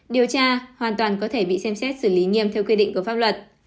điều tra hoàn toàn có thể bị xem xét xử lý nghiêm theo quy định của pháp luật